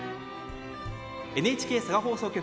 ＮＨＫ佐賀放送局